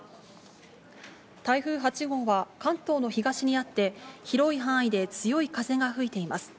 台風８号は関東の東にあって広い範囲で強い風が吹いています。